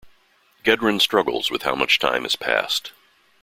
Gedrin struggles with how much time has passed.